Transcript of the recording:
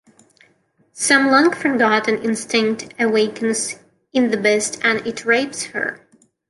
Some long-forgotten instinct awakens in the beast and it rapes her.